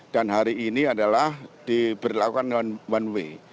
dan hari ini adalah diberlakukan one way